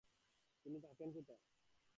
তিনি থাকেন কোথায়?